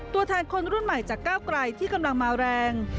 ตัวแทนคนรุ่นใหม่จากก้าวไกลที่กำลังมาแรง